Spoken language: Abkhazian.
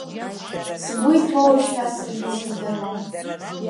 Сгәы иҭоу уажәшьҭа саргьы исыздыруам!